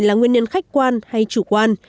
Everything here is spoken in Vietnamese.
là nguyên nhân khách quan hay chủ quan